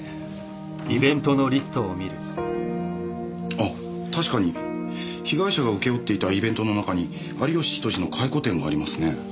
あっ確かに被害者が請け負っていたイベントの中に有吉比登治の回顧展がありますね。